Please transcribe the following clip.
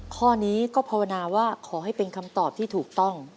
ข้อนี้ก็ภาวนาว่าขอให้เป็นคำตอบที่ถูกต้อง